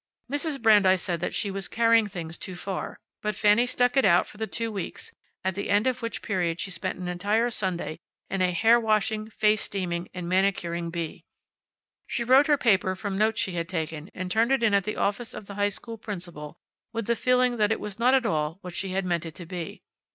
Mrs. Brandeis said that she was carrying things too far, but Fanny stuck it out for the two weeks, at the end of which period she spent an entire Sunday in a hair washing, face steaming, and manicuring bee. She wrote her paper from notes she had taken, and turned it in at the office of the high school principal with the feeling that it was not at all what she had meant it to be.